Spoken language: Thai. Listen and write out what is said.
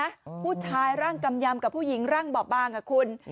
แรงโจรไม่ไหวนะผู้ชายร่างกำยำกับผู้หญิงร่างบ่าบ้างค่ะคุณ